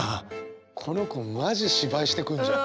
この子マジ芝居してくんじゃん。